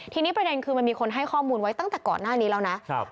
ทีนี้ประเด็นคือมันมีคนให้ข้อมูลไว้ตั้งแต่ก่อนหน้านี้แล้วนะ